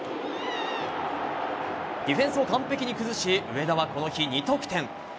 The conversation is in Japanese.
ディフェンスを完璧に崩し上田は、この日２得点。